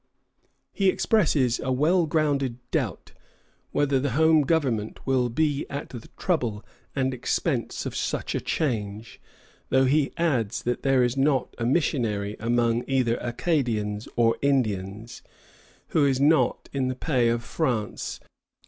" He expresses a well grounded doubt whether the home government will be at the trouble and expense of such a change, though he adds that there is not a missionary among either Acadians or Indians who is not in the pay of France.